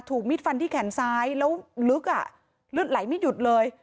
มิดฟันที่แขนซ้ายแล้วลึกอ่ะเลือดไหลไม่หยุดเลย